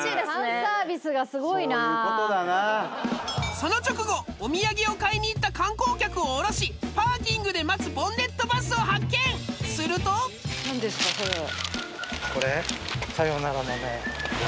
その直後お土産を買いに行った観光客を降ろしパーキングで待つボンネットバスを発見するとこれ？